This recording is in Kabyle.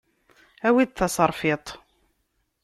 Awi-d taserfiṭ.